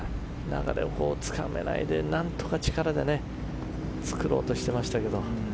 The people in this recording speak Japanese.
流れをつかめないで何とか力で作ろうとしてましたけど。